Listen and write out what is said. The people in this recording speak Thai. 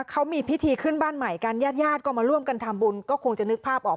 เขามีพิธีขึ้นบ้านใหม่กันญาติญาติก็มาร่วมกันทำบุญก็คงจะนึกภาพออก